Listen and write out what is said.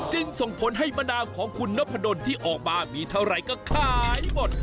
จึงส่งผลให้มะนาวของคุณนพดลที่ออกมามีเท่าไหร่ก็ขายหมด